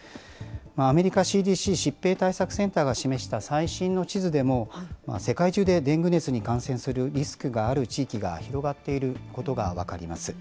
アメリカＣＤＣ・疾病対策センターが示した最新の地図でも、世界中でデング熱に感染するリスクがある地域が広がっていることが分かります。